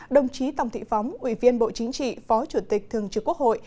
đồng chí tòng thị phóng ủy viên bộ chính trị phó chủ tịch thường trực quốc hội